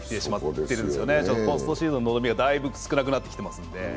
ポストシーズンの望みがだいぶ少なくなってきているので。